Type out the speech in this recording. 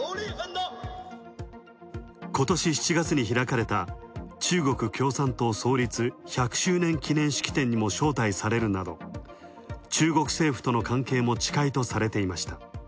今年７月に開かれた中国共産党創立１００周年記念式典にも招待されるなど、中国政府との関係も近いとされていました。